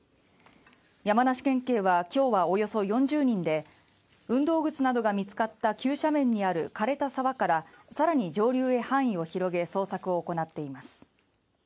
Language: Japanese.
山梨県警は今日はおよそ４０人で運動靴などが見つかった急斜面にある枯れた沢から更に上流へ範囲を広げ捜索を行っています